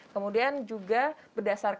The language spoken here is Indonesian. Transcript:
kemudian juga berdasarkan berdasarkan warna